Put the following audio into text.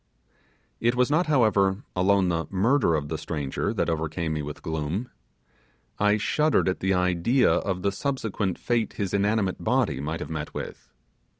It was not, however, alone the murder of the stranger that overcame me with gloom. I shuddered at the idea of the subsequent fate his inanimate body might have met with.